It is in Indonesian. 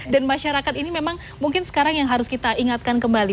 dan masyarakat ini memang mungkin sekarang yang harus kita ingatkan kembali